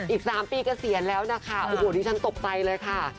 อีกสามปีก็เสียแล้วฉันตกใจเลยค่ะ